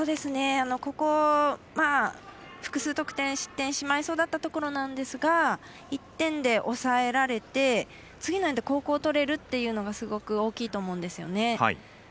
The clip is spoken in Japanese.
ここ、複数得点失点してしまいそうだったところなんですが１点で抑えられて次のエンド後攻とれるというのがすごく大きいと思うんですよね。